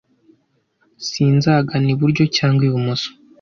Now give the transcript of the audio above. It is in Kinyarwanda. sinzagana iburyo cyangwa ibumoso